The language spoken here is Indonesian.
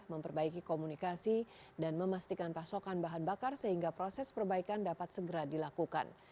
memperbaiki komunikasi dan memastikan pasokan bahan bakar sehingga proses perbaikan dapat segera dilakukan